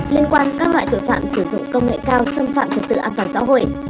liên quan các loại tội phạm sử dụng công nghệ cao xâm phạm trật tự an toàn xã hội